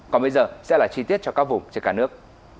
còn bây giờ sẽ là chi tiết cho các vùng trên cả nước